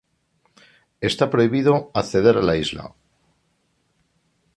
Está prohibido acceder a la isla.